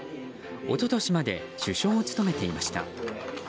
一昨年まで首相を務めていました。